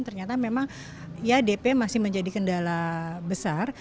ternyata memang ya dp masih menjadi kendala besar